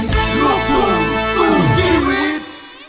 ขอบคุณสุดชีวิต